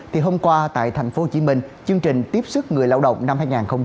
thì hôm qua tại tp hcm chương trình tiếp sức người lao động năm hai nghìn một mươi chín